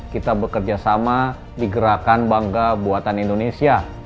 kita bekerja sama di gerakan b horsesa id mycket tersty attractions ban ib